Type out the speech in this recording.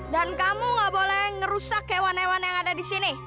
dan kamu nggak boleh ngerusak hewan hewan yang ada di sini